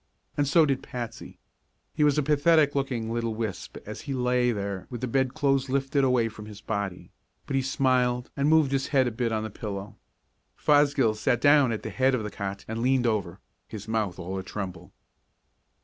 And so did Patsy. He was a pathetic looking little wisp as he lay there with the bedclothes lifted away from his body, but he smiled and moved his head a bit on the pillow. Fosgill sat down at the head of the cot and leaned over, his mouth all atremble.